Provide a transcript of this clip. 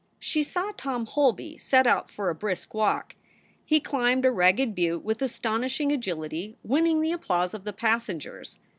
She saw Tom Holby set out for a brisk walk. He climbed a ragged butte with astonishing agility, winning the applause of the passengers.